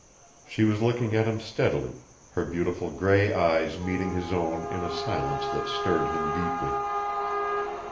She was looking at him steadily, her beautiful gray eyes meeting his own in a silence that stirred him deeply.